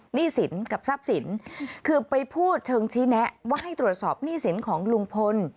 หนี้สินกับทรัพย์สินคือไปพูดเชิงชี้แนะว่าให้ตรวจสอบหนี้สินของลุงพล